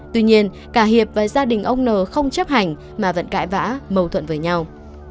tuy nhiên cả hiệp và gia đình ông n không chấp hành mà vẫn cãi vã mâu thuẫn với nhau